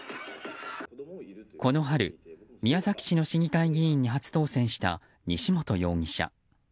この春、宮崎市の市議会議員に初当選した西本容疑者。